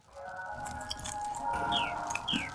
محبت خویشتن بینی محبت خویشتن داری